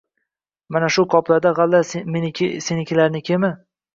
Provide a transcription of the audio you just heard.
Mana shu qoplardagi g‘alla menikimi senlarnikimi